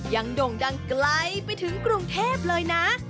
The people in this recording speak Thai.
โด่งดังไกลไปถึงกรุงเทพเลยนะ